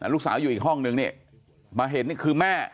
ลูกสาวอยู่อีกห้องนึงนี่มาเห็นนี่คือแม่